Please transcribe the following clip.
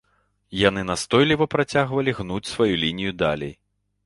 Яны настойліва працягвалі гнуць сваю лінію далей.